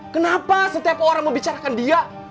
kenapa setiap orang membicarakan dia